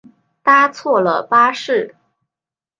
搭错了巴士